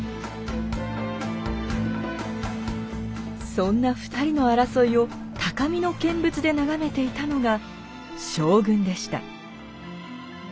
そんな２人の争いを高みの見物で眺めていたのが将軍でした。